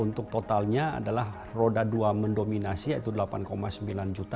untuk totalnya adalah roda dua mendominasi yaitu delapan sembilan juta